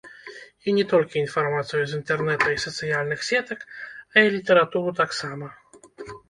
І не толькі інфармацыю з інтэрнэта і сацыяльных сетак, а і літаратуру таксама.